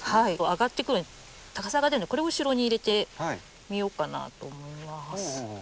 上がってくる高さが出るのでこれを後ろに入れてみようかなと思います。